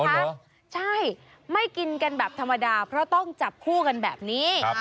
ใช่ไม่กินกันแบบธรรมดาเพราะต้องจับคู่กันแบบนี้